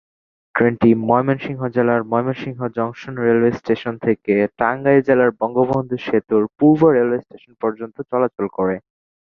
ট্রেনটি ময়মনসিংহ জেলার Mymensingh junction railway station থেকে টাঙ্গাইল জেলার বঙ্গবন্ধু সেতু পূর্ব রেলওয়ে স্টেশন পর্যন্ত চলাচল করে।